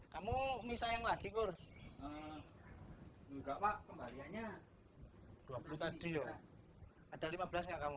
kamu bisa yang lagi kur juga pak kebahagiannya dua puluh tadi ada lima belas ya kamu